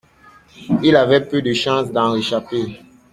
Il avait peu de chances d’en réchapper.